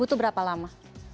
butuh berapa lama